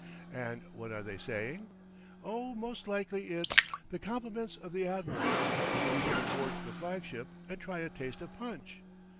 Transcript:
And what are they saying? Oh, most likely it's 'The compliments of the admiral, and will you come aboard the flag ship and try a taste of punch?'